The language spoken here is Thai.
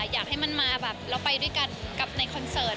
อยากให้มันมาแบบเราไปด้วยกันกับในคอนเสิร์ต